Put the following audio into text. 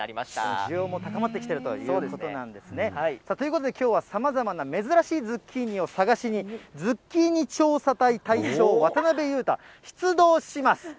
需要も高まってきているということなんですね。ということできょうは、さまざまな珍しいズッキーニを探しに、ズッキーニ調査隊隊長、渡辺裕太、出動します。